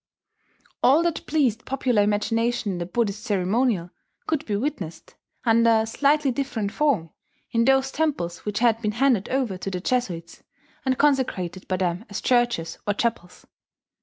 All that pleased popular imagination in the Buddhist ceremonial could be witnessed, under slightly different form, in those temples which had been handed over to the Jesuits, and consecrated by them as churches or chapels.